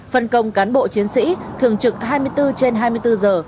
phân công cán bộ chiến sĩ thường trực hai mươi bốn trên hai mươi bốn giờ